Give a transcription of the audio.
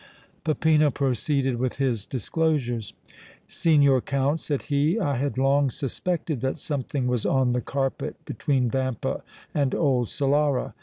Peppino proceeded with his disclosures. "Signor Count," said he, "I had long suspected that something was on the carpet between Vampa and old Solara.